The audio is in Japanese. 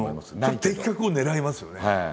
その的確を狙いますよね。